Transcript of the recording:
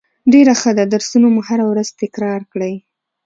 ډیره ښه ده درسونه مو هره ورځ تکرار کړئ